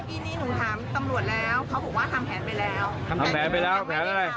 ทำแผนเป็นอะไร